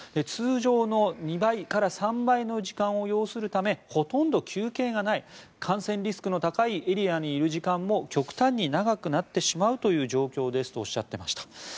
通常の２倍から３倍の時間を要するためほとんど休憩がない感染リスクの高いエリアにいる時間も極端に長くなってしまうという状況ですとおっしゃっていました。